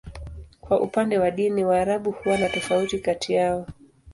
Kwa upande wa dini, Waarabu huwa na tofauti kati yao.